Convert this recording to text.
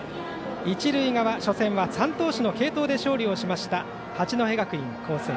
一塁側、初戦は３投手の継投で勝利をしました八戸学院光星。